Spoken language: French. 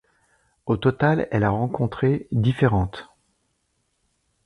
Au total, elle a rencontré différentes.